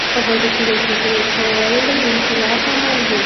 په بدو کي د ښځو ورکول د دین خلاف عمل دی.